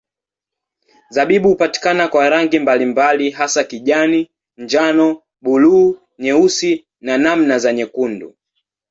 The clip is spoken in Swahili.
Zabibu hupatikana kwa rangi mbalimbali hasa kijani, njano, buluu, nyeusi na namna za nyekundu.